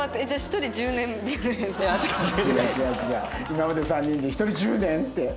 今まで３人で１人１０年？って。